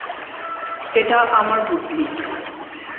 এটা আমার বুদ্ধি।